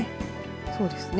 そうですね。